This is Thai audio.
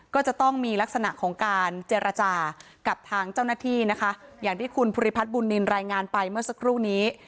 ก็จะต้องมีลักษณะของการเจรจากับทางเจ้าหน้าที่นะคะอย่างที่คุณภูริพัฒน์บุญนินรายงานไปเมื่อสักครู่นี้